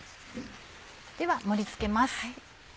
では盛り付けます。